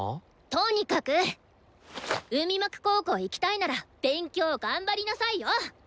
とにかく！海幕高校行きたいなら勉強頑張りなさいよ！